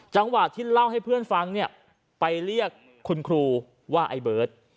จังหวะที่เล่าให้เพื่อนฟังเนี่ยไปเรียกคุณครูว่าไอ้เบิร์ต